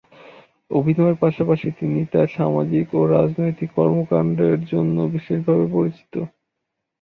অভিনয়ের পাশাপাশি তিনি তার সামাজিক ও রাজনৈতিক কর্মকাণ্ডের জন্য বিশেষভাবে পরিচিত।